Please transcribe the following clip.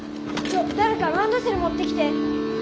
ちょだれかランドセルもってきて。